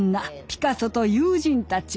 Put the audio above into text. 「ピカソと友人たち」